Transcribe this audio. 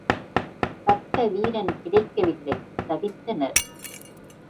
தக்க வீரன் கிடைக்கவில்லை, தவித்தனர்.